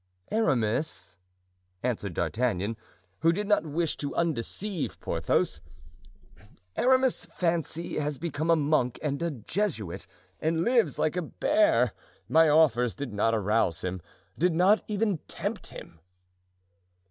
"Aramis," answered D'Artagnan, who did not wish to undeceive Porthos, "Aramis, fancy, has become a monk and a Jesuit, and lives like a bear. My offers did not arouse him,—did not even tempt him."